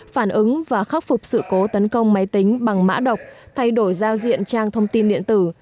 phản ứng và khắc phục sự cố tấn công máy tính bằng mã độc thay đổi giao diện trang thông tin điện tử